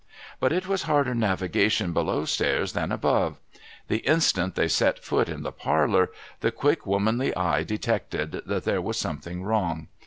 But it was harder navigation below stairs than above. The instant they set foot in the parlour the quick, womanly eye detected that there was something wrong.